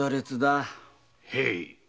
へい。